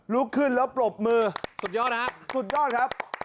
ลุกขึ้นแล้วปรบมือสุดยอดนะฮะสุดยอดครับ